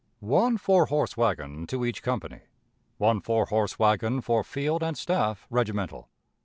One four horse wagon to each company. One """ for field and staff (regimental).